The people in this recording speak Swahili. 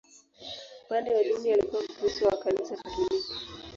Upande wa dini, alikuwa Mkristo wa Kanisa Katoliki.